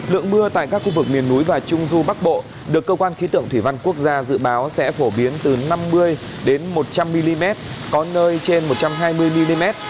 lượng mưa tại các khu vực miền núi và trung du bắc bộ được cơ quan khí tượng thủy văn quốc gia dự báo sẽ phổ biến từ năm mươi một trăm linh mm có nơi trên một trăm hai mươi mm